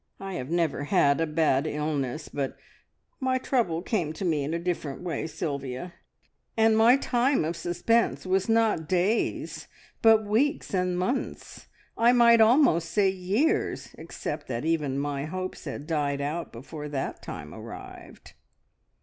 "I have never had a bad illness, but my trouble came to me in a different way, Sylvia, and my time of suspense was not days, but weeks and months, I might almost say years, except that even my hopes died out before that time arrived!"